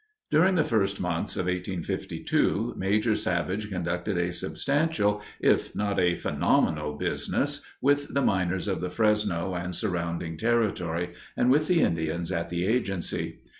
During the first months of 1852, Major Savage conducted a substantial, if not a phenomenal, business with the miners of the Fresno and surrounding territory, and with the Indians at the agency.